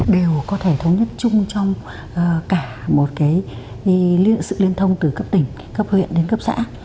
đều có thể thống nhất chung trong cả một sự liên thông từ cấp tỉnh cấp huyện đến cấp xã